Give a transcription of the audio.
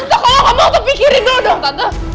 tante kalau ngomong tuh pikirin dulu dong tante